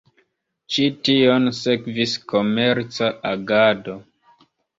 Ĉi tion sekvis komerca agado.